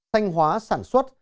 thanh hóa sản xuất